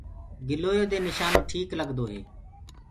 گِلوليٚ دي نِشانو ٽيڪ لگدو هي۔